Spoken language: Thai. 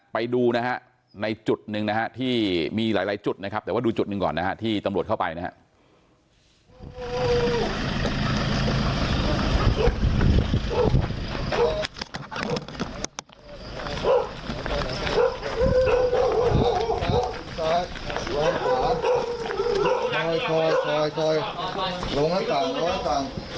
ไปดูนะฮะในจุดหนึ่งนะฮะที่มีหลายจุดนะครับแต่ว่าดูจุดหนึ่งก่อนนะฮะที่ตำรวจเข้าไปนะครับ